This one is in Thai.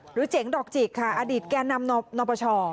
เจ๋งดอกจิกค่ะอดีตแก่นำนปช